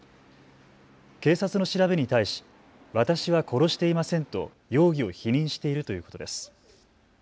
警察の調べに対し、私は殺していませんと容疑を否認しているということです。